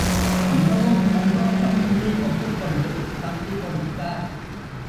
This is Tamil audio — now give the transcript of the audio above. மிகவும் சந்தோஷம் என்று ஒப்புக்கொண்டு தந்தி கொடுத்தார்.